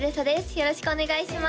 よろしくお願いします